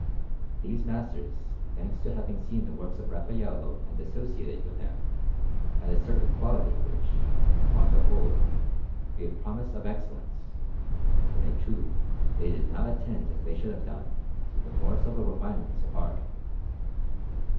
These masters, thanks to having seen the works of Raffaello and associated with him, had a certain quality which, upon the whole, gave promise of excellence, but in truth they did not attend as they should have done to the more subtle refinements of art.